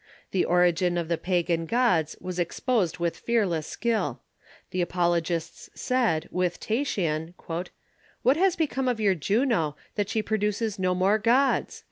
The origin of the pagan gods was exposed with fearless skill. The apologists said, with Ta tian, " What has become of your Juno, that she produces no more gods?"